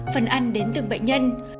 phần ăn đến từng bệnh nhân